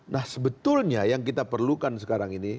nah sebetulnya yang kita perlukan sekarang ini